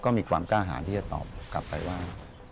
ก็มีความกล้าหารที่จะตอบกลับไปว่า